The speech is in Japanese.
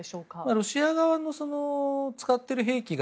ロシア側の使っている兵器が